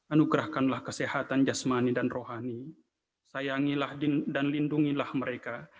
anugerahkanlah kesehatan jasmani dan rohani sayangilah dan lindungilah mereka